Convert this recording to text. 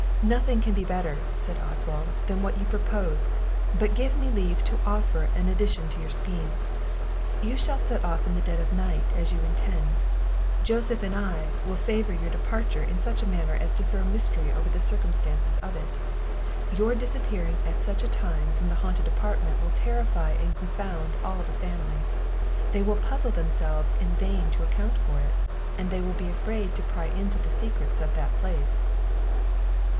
"Nothing can be better," said Oswald, "than what you propose; but give me leave to offer an addition to your scheme. You shall set off in the dead of night, as you intend; Joseph and I, will favour your departure in such a manner as to throw a mystery over the circumstances of it. Your disappearing at such a time from the haunted apartment will terrify and confound all the family; they will puzzle themselves in vain to account for it, and they will be afraid to pry into the secrets of that place."